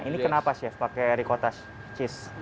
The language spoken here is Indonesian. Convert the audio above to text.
ini kenapa chef pakai herikotas cheese